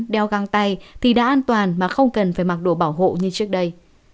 đeo găng tay thì đã an toàn mà không cần phải mặc đồ bảo hộ như trước đây